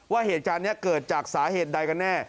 ว่าเหตุการณ์นี้เกิดจากสาเหตุใดกันแน่